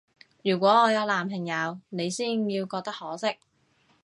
如果我有男朋友，你先要覺得可惜